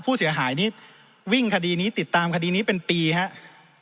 ผู้เสียหายนี้วิ่งคดีนี้ติดตามคดีนี้เป็นปีครับ